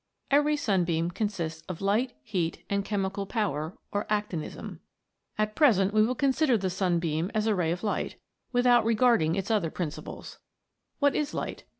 Every sunbeam consists of light, heat, and chemical power, or actinism. At present we will consider the sunbeam as a ray of light, without regarding its other principles. What is light